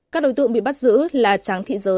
các đối tượng bị bắt giữ là tráng thị giới